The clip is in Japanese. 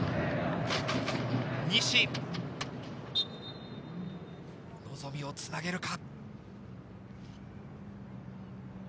西、望みをつなげるか？